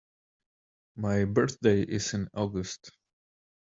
My birthday is in August.